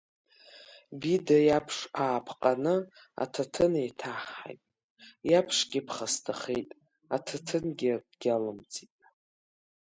Бида иаԥш ааԥҟаны, аҭаҭын еиҭаҳҳаит иаԥшгьы ԥхасҭахеит, аҭаҭынгьы акгьы алымҵит.